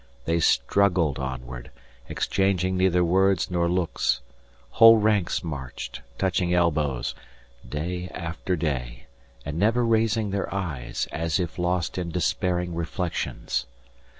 They struggled onward, exchanging neither words nor looks whole ranks marched, touching elbows, day after day, and never raising their eyes, as if lost in despairing reflections.